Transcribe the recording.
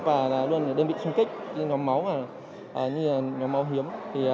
và luôn đơn vị xung kích những nhóm máu hiếm